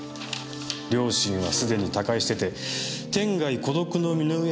両親はすでに他界してて天涯孤独の身の上だったようですし。